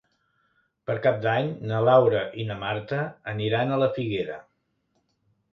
Per Cap d'Any na Laura i na Marta aniran a la Figuera.